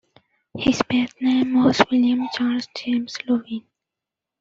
His birth name was William Charles James Lewin.